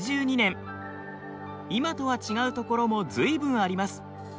今とは違うところもずいぶんあります。